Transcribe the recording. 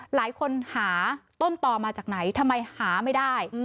หลายคนหาต้นต่อมาจากไหนทำไมหาไม่ได้